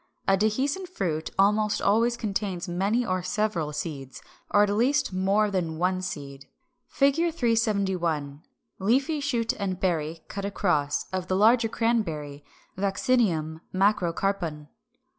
A dehiscent fruit almost always contains many or several seeds, or at least more than one seed. [Illustration: Fig. 371. Leafy shoot and berry (cut across) of the larger Cranberry, Vaccinium macrocarpon.